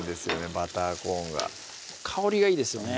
バターコーンが香りがいいですよね